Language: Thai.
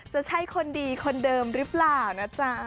จะใช่คนดีคนเดิมหรือเปล่านะจ๊ะ